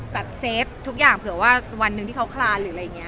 เฟฟทุกอย่างเผื่อว่าวันหนึ่งที่เขาคลานหรืออะไรอย่างนี้